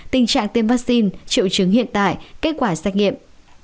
tình trạng tiêm vaccine triệu chứng hiện tại kết quả xét nghiệm